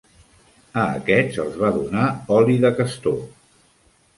A aquests els va donar oli de castor.